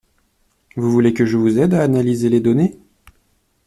Vous voulez que je vous aide à analyser les données?